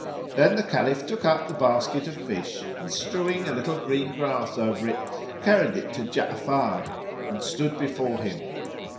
Then the Caliph took up the basket of fish and, strewing a little green grass over it, carried it to Ja'afar and stood before him.